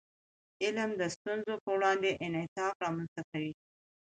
علم د ستونزو په وړاندې انعطاف رامنځته کوي.